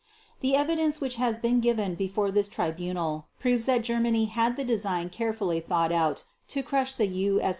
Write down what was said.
The evidence which has been given before this Tribunal proves that Germany had the design carefully thought out, to crush the U.